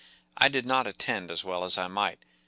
I did not attend as well as I might.